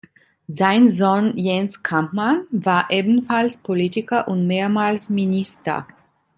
Sein Sohn Jens Kampmann war ebenfalls Politiker und mehrmals Minister.